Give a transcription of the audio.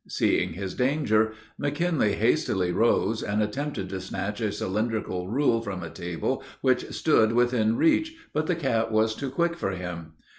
Seeing his danger, McKinley hastily rose, and attempted to snatch a cylindrical rule from a table which stood within reach, but the cat was too quick for him.